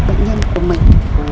bệnh nhân của mình